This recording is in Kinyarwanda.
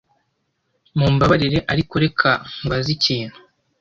Mumbabarire, ariko reka nkubaze ikintu.